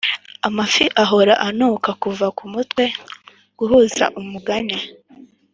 amafi ahora anuka kuva kumutwe guhuza umugani